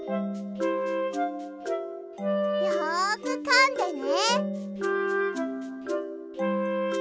よくかんでね。